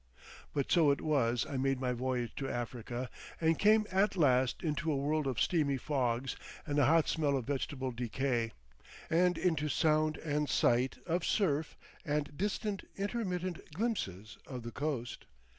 But so it was I made my voyage to Africa, and came at last into a world of steamy fogs and a hot smell of vegetable decay, and into sound and sight of surf and distant intermittent glimpses of the coast.